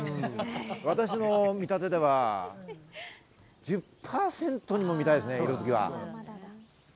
私の見立てでは１０％にも満たないですね。